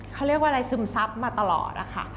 เขาเรียกว่าอะไรซึมซับมาตลอดนะคะ